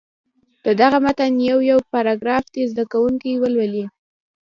د دغه متن یو یو پاراګراف دې زده کوونکي ولولي.